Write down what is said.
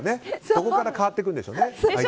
そこから変わっていくんでしょうね。